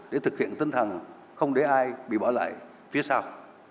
để thực hiện tân thẳng không để ai bị bỏ lại phía sau